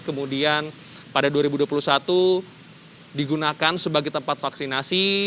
kemudian pada dua ribu dua puluh satu digunakan sebagai tempat vaksinasi